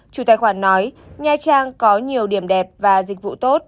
chủ tài khoản nói nha trang có nhiều điểm đẹp và dịch vụ tốt